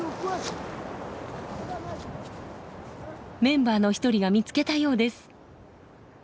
メンバーの１人が見つけたようです。